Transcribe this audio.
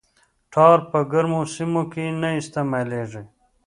ټار په ګرمو سیمو کې نه استعمالیږي